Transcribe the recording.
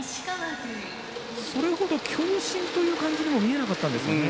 それほど強振という感じにも見えなかったんですが。